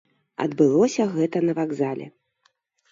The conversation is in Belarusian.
Адбылося гэта на вакзале.